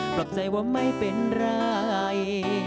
รับใจว่าไม่เป็นไร